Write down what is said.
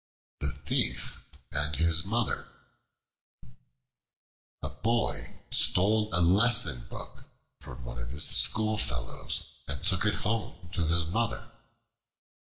The Thief and His Mother A BOY stole a lesson book from one of his schoolfellows and took it home to his Mother.